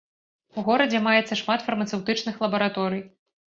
У горадзе маецца шмат фармацэўтычных лабараторый.